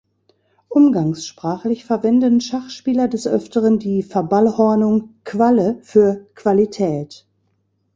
Umgangssprachlich verwenden Schachspieler des Öfteren die Verballhornung "Qualle" für Qualität.